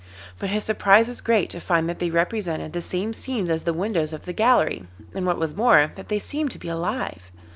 But his surprise was great to find that they represented the same scenes as the windows of the gallery, and what was more, that they seemed to be alive.